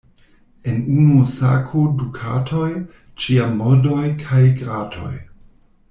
En unu sako du katoj, ĉiam mordoj kaj gratoj.